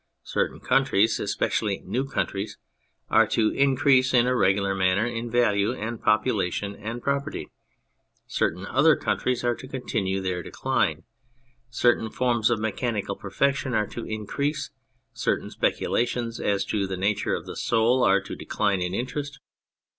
Certain countries (especially new countries) are to increase in a regular manner in value and population and property. Certain other counti'ies are to continue their decline. Certain forms of mechanical perfec tion are to increase, certain speculations as to the nature of the soul are to decline in interest.